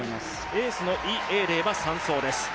エースの韋永麗は３走です。